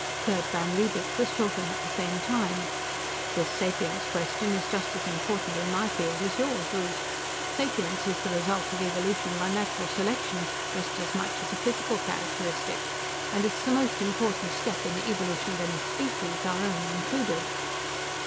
Gerd van Riebeek was talking at the same time. "This sapience question is just as important in my field as yours, Ruth. Sapience is the result of evolution by natural selection, just as much as a physical characteristic, and it's the most important step in the evolution of any species, our own included."